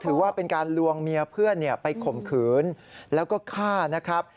ถือว่าเป็นการลวงเมียเพื่อนไปข่มขืนแล้วก็ฆ่านะครับ